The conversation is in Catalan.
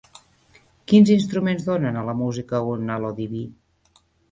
Quins instruments donen a la música un «halo diví»?